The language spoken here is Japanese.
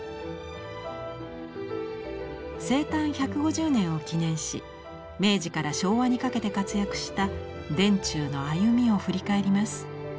生誕１５０年を記念し明治から昭和にかけて活躍した田中の歩みを振り返ります。